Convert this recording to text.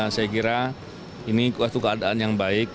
saya kira ini waktu keadaan yang baik